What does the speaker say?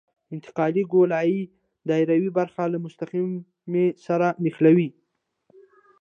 انتقالي ګولایي دایروي برخه له مستقیمې سره نښلوي